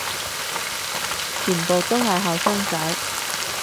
全部都係後生仔